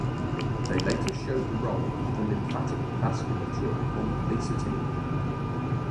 They later showed the role of the lymphatic vasculature on obesity.